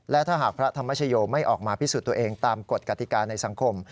และถ้าหากพระธรรมชโยไม่ออกมาพิสูจน์ตัวเองตามกฎกติกาในสังคม